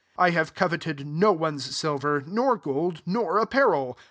SS I have coveted no one's silver, nor gold,'Qor apparel.